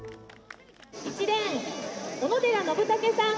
「１レーン小野寺のぶたけさん」。